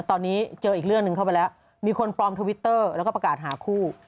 ตอนนี้เจออีกเรื่องหนึ่งเข้าไปแล้วมีคนปลอมทวิตเตอร์แล้วก็ประกาศหาคู่